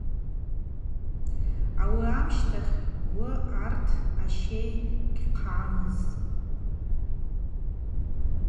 Ауи амщтахь гвы арттӏ ащей шхъагӏамыз.